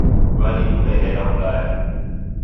W'anidu w'eghenda w'ulaya